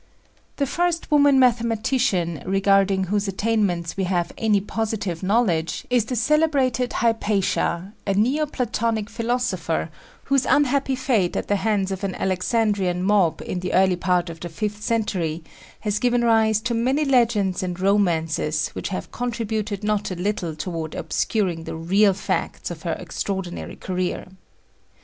The first woman mathematician, regarding whose attainments we have any positive knowledge, is the celebrated Hypatia, a Neo platonic philosopher, whose unhappy fate at the hands of an Alexandrian mob in the early part of the fifth century has given rise to many legends and romances which have contributed not a little toward obscuring the real facts of her extraordinary career.